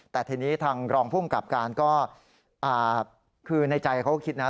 แต่ทีนี้ทางรองภูมิกับการก็คือในใจเขาก็คิดนะ